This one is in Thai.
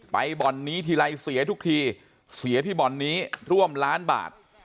บ่อนนี้ทีไรเสียทุกทีเสียที่บ่อนนี้ร่วมล้านบาท